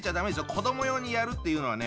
子ども用にやるっていうのはね